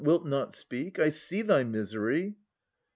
Wilt not speak ? I see thy misery.